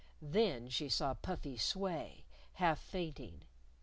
Then she saw Puffy sway, half fainting.